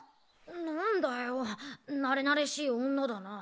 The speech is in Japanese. なんだよなれなれしい女だな。